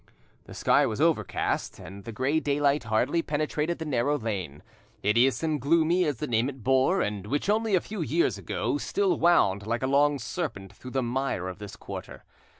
The sky was overcast, and the grey daylight hardly penetrated the narrow lane, hideous and gloomy as the name it bore, and which; only a few years ago, still wound like a long serpent through the mire of this quarter.